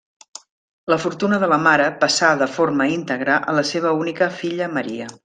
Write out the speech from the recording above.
La fortuna de la mare passà de forma íntegra a la seva única filla Maria.